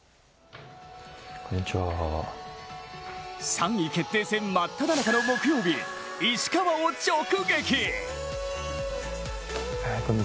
３位決定戦真っただ中の木曜日石川を直撃。